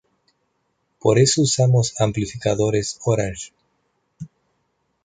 Por eso usamos amplificadores Orange".